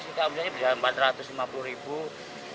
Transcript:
ya kalau biasa satu lima ratus kita habis saja empat ratus lima puluh